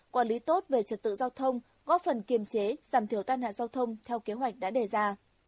quản lý tốt về trật tự giao thông góp phần kiềm chế giảm thiểu tai nạn giao thông theo kế hoạch đã đề ra